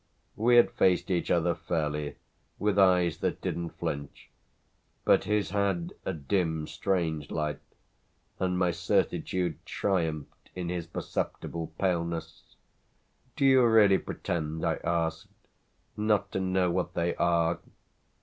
We had faced each other fairly, with eyes that didn't flinch; but his had a dim, strange light, and my certitude triumphed in his perceptible paleness. "Do you really pretend," I asked, "not to know what they are?"